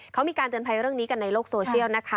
เขามีการเตือนภัยเรื่องนี้กันในโลกโซเชียลนะคะ